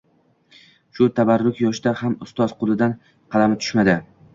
Shu tabarruk yoshda ham ustoz qo`lidan qalami tushmadi